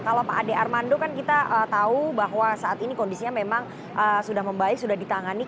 kalau pak ade armando kan kita tahu bahwa saat ini kondisinya memang sudah membaik sudah ditangani